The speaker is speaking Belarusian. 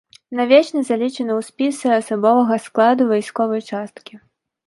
Навечна залічаны ў спісы асабовага складу вайсковай часткі.